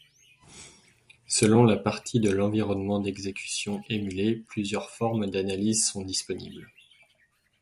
Selon la partie de l'environnement d'exécution émulé, plusieurs formes d'analyse sont disponibles.